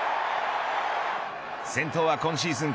先頭は今シーズン